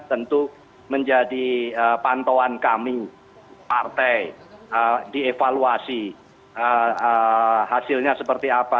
tentu menjadi pantauan kami partai dievaluasi hasilnya seperti apa